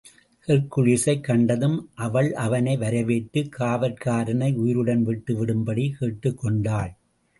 ஹெர்க்குலிஸைக் கண்டதும் அவள் அவனை வரவேற்று காவற்காரனை உயிருடன் விட்டு விடும்படி கேட்டுக் கொண்டாள்.